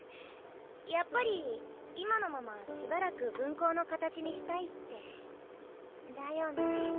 やっぱり今のまましばらく分校の形にしたいって。だよね。